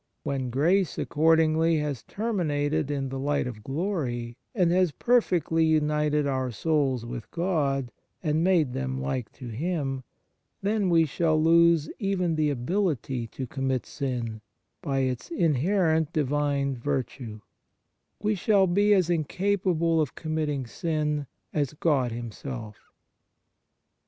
When grace, accordingly, has terminated in the light of glory, and has perfectly united our souls with God, and made them like to Him, then we shall lose even the ability 1 Basil, Contra Eunom., b. iii. 22 ON THE NATURE OF GRACE to commit sin, by its inherent Divine virtue; we shall be as incapable of com mitting sin as God Himself.